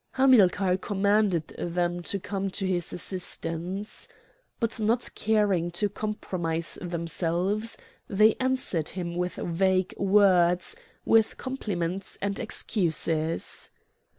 Hamilcar commanded them to come to his assistance. But not caring to compromise themselves, they answered him with vague words, with compliments and excuses.